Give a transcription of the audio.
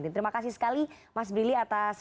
terima kasih sekali mas brili atas